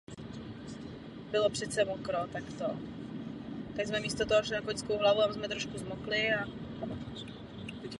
Po druhé světové válce odešel do New Yorku věnovat se žurnalistice.